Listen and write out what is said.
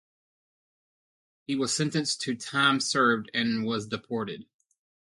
He was sentenced to time served and was deported.